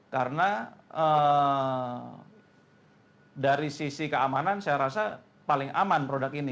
karena dari sisi keamanan saya rasa paling aman produk ini